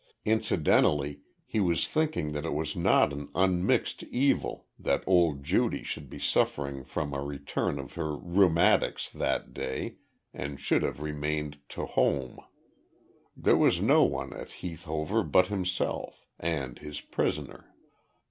Incidentally, he was thinking that it was not an unmixed evil that old Judy should be suffering from a return of her "roomatics" that day, and should have remained "to whoam." There was no one at Heath Hover but himself and his prisoner.